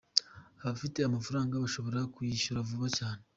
Abafite amafaranga bashobora kuyishyura vuba cyane.